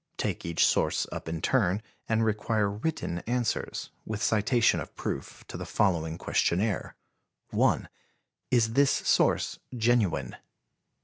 Take each source up in turn and require written answers, with citation of proof, to the following questionnaire: 1. Is this source genuine?